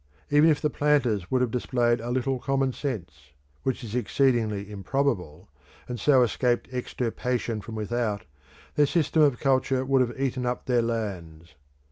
Even if the planters would have displayed a little common sense, which is exceedingly improbable, and so escaped extirpation from without, their system of culture would have eaten up their lands.